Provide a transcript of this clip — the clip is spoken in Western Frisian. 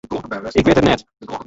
Ik wit it net.